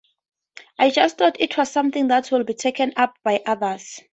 I just thought it was something that would be taken up by others.